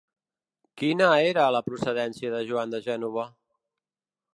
Quina era la procedència de Joan de Gènova?